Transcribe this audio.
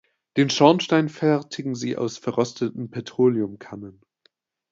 Den Schornstein fertigen sie aus verrosteten Petroleumkannen.